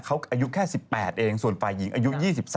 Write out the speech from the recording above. เขาอายุแค่๑๘เองส่วนฝ่ายหญิงอายุ๒๓